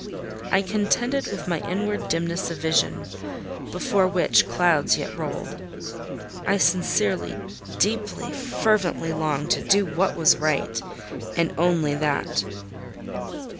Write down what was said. I contended with my inward dimness of vision, before which clouds yet rolled. I sincerely, deeply, fervently longed to do what was right; and only that.